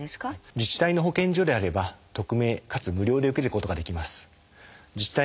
自治体の保健所であれば匿名かつ無料で受けることができます。